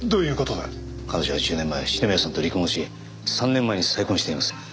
彼女は１０年前篠宮さんと離婚をし３年前に再婚しています。